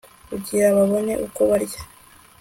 kugira babone uko barya